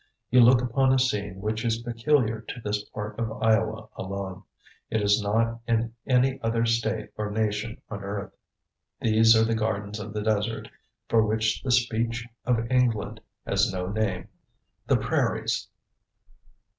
You look upon a scene which is peculiar to this part of Iowa alone. It is not found in any other state or nation on earth. "These are the gardens of the desert, for which the speech of England has no name the Prairies."